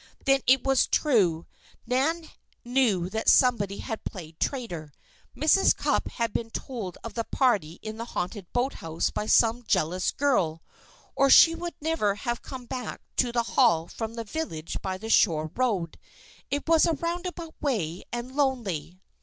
Then it was true. Nan knew that somebody had played traitor. Mrs. Cupp had been told of the party in the haunted boathouse by some jealous girl, or she would never have come back to the Hall from the village by the shore road. It was a roundabout way, and lonely.